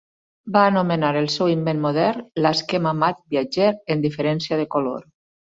Va anomenar el seu invent modern "l'esquema mat viatger en diferència de color".